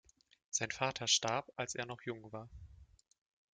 Sein Vater starb, als er noch jung war.